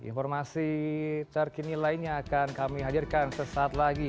informasi terkini lainnya akan kami hadirkan sesaat lagi